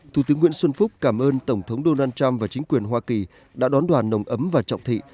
thủ tướng nguyễn xuân phúc cảm ơn tổng thống donald trump và chính quyền hoa kỳ đã đón đoàn nồng ấm và trọng thị